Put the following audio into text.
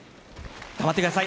頑張ってください。